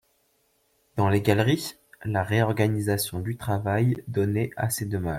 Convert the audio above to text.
Dans les galeries, la réorganisation du travail donnait assez de mal.